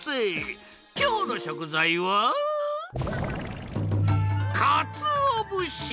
きょうのしょくざいはかつおぶし！